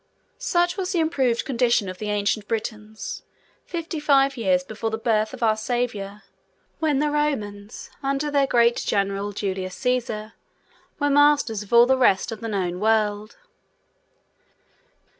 Such was the improved condition of the ancient Britons, fifty five years before the birth of Our Saviour, when the Romans, under their great General, Julius Cæsar, were masters of all the rest of the known world.